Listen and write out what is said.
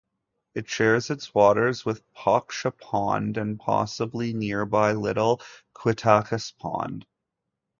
It shares its waters with Pocksha Pond and possibly nearby Little Quittacas Pond.